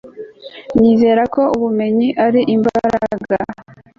nizera ko ubumenyi ari imbaraga